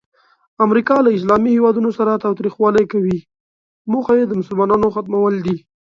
امریکا له اسلامي هیوادونو سره تاوتریخوالی کوي، موخه یې د مسلمانانو ختمول دي.